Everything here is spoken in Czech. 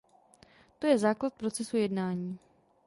To je základ procesu jednání.